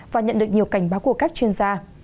và nhận được nhiều cảnh báo của các chuyên gia